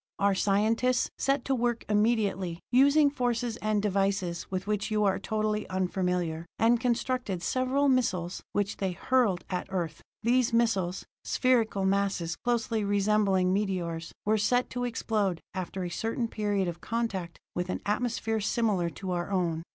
Our scientists set to work immediately, using forces and devices with which you are totally unfamiliar, and constructed several missiles which they hurled at Earth. These missiles, spherical masses closely resembling meteors, were set to explode after a certain period of contact with an atmosphere similar to our own.